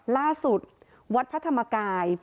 ล่าสุดวัดพระธรรมกาย